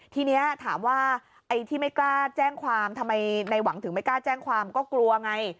ทีนี้ถามว่าไอ้ที่ไม่กล้าแจ้งความทำไมในหวังถึงไม่กล้าแจ้งความก็กลัวไง